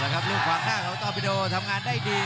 ลูกขวางหน้าของตอปิโดทำงานได้ดี